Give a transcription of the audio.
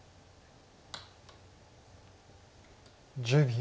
１０秒。